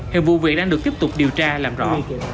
hiện vụ việc đang được tiếp tục điều tra làm rõ